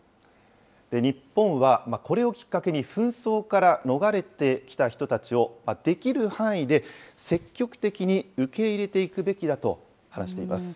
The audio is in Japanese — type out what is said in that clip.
日本はこれをきっかけに、紛争から逃れてきた人たちを、できる範囲で積極的に受け入れていくべきだと話しています。